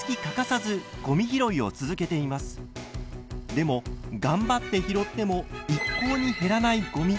でも頑張って拾っても一向に減らないごみ。